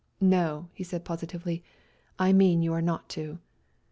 " No," he said positively, " I mean you are not to."